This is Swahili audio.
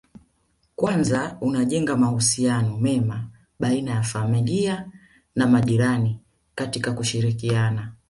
Kwanza unajenga mahusiano mema baina ya familia na majirani katika kushirikiana